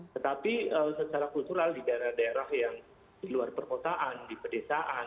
tetapi secara kultural di daerah daerah yang di luar perkotaan di pedesaan